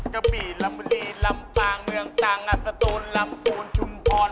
กะบี่ลำบุรีลำปางเมืองตังสตูนลำพูนชุมพร